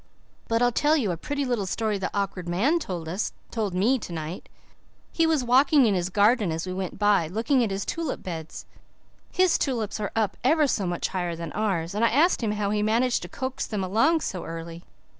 "But I'll tell you a pretty little story the Awkward Man told us told me tonight. He was walking in his garden as we went by, looking at his tulip beds. His tulips are up ever so much higher than ours, and I asked him how he managed to coax them along so early.